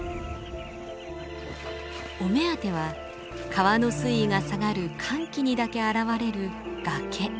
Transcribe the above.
お目当ては川の水位が下がる乾季にだけ現れる崖。